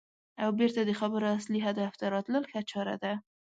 او بېرته د خبرو اصلي هدف ته راتلل ښه چاره ده.